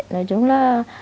nói chung là